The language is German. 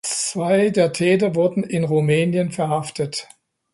Zwei der Täter wurden in Rumänien verhaftet.